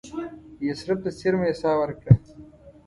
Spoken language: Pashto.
یثرب ته څېرمه یې ساه ورکړه.